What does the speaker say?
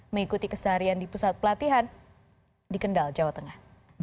mengikuti keseharian di pusat pelatihan di kendal jawa tengah